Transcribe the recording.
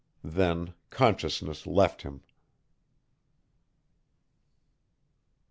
Then consciousness left him.